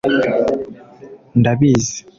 ndabizi